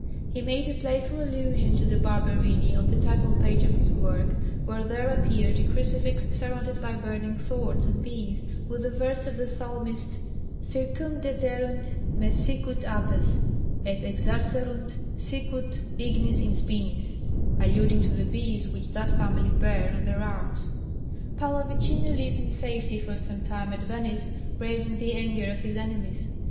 He made a playful allusion to the Barberini on the title page of his work, where there appeared a crucifix surrounded by burning thorns and bees, with the verse of the Psalmist Circumdederunt me sicut apes, et exarserunt sicut ignis in spinis, alluding to the bees which that family bear on their arms. Pallavicino lived in safety for some time at Venice, braving the anger of his enemies.